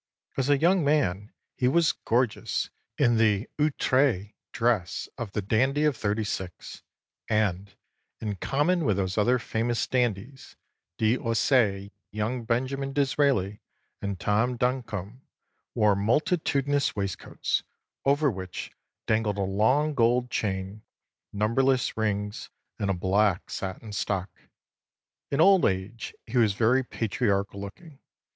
As a young man he was gorgeous in the outré dress of the dandy of '36, and, in common with those other famous dandies, d'Orsay, young Benjamin Disraeli, and Tom Duncombe, wore multitudinous waistcoats, over which dangled a long gold chain, numberless rings, and a black satin stock. In old age he was very patriarchal looking.